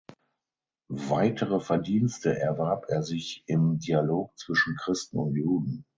Weitere Verdienste erwarb er sich im Dialog zwischen Christen und Juden.